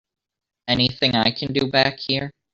Anything I can do back here?